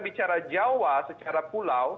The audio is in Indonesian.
bicara jawa secara pula